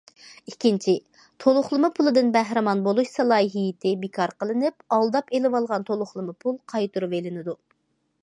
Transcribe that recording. ئىككىنچى، تولۇقلىما پۇلىدىن بەھرىمەن بولۇش سالاھىيىتى بىكار قىلىنىپ، ئالداپ ئېلىۋالغان تولۇقلىما پۇل قايتۇرۇۋېلىنىدۇ.